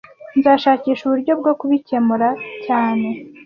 Nzashakisha uburyo bwo kubikemura cyane